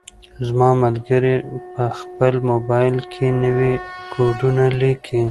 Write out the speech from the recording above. زما ملګری په خپل موبایل کې نوي کوډونه لیکي.